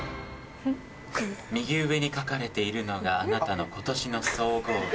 右上に書かれているのがあなたの今年の総合運。